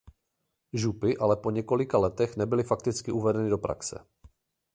Župy ale po několik let nebyly fakticky uvedeny do praxe.